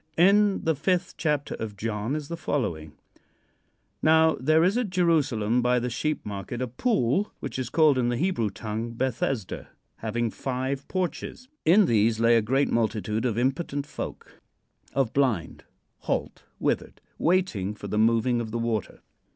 In the fifth chapter of John is the following: "Now, there is at Jerusalem, by the sheep market, a pool, which is called in the Hebrew tongue 'Bethesda,' having five porches. "In these lay a great multitude of impotent folk of blind, halt, withered waiting for the moving of the water.